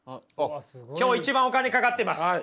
今日一番お金かかってます！